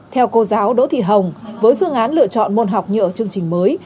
theo cô giáo đỗ thị hồng với phương án lựa chọn môn học như ở chương trình mới